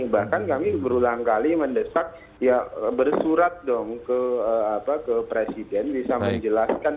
bahkan kami berulang kali mendesak ya bersurat dong ke presiden bisa menjelaskan